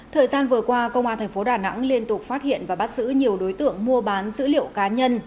thời gian vừa qua công an thành phố đà nẵng liên tục phát hiện và bắt giữ nhiều đối tượng mua bán dữ liệu cá nhân